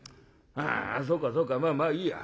あそうかそうかまあまあいいや。